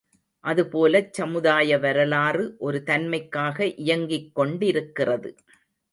அதுபோலச் சமுதாய வரலாறு, ஒரு தன்மைக்காக இயங்கிக்கொண்டிருக்கிறது.